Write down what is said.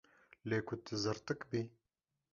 Lê ku tu zirtik bî.